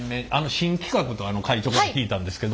新企画と会長から聞いたんですけど。